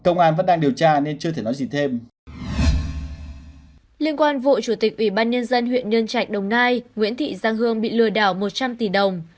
nhân dân huyện nhân trạch đồng nai nguyễn thị giang hương bị lừa đảo một trăm linh tỷ đồng